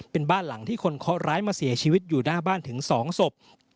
เป็นบ้านหลังที่คนเคาะร้ายมาเสียชีวิตอยู่หน้าบ้านถึง๒ศพ